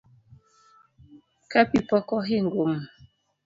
Ka pi pok ohingo m